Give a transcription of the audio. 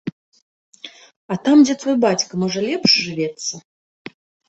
А там, дзе твой бацька, можа лепш жывецца?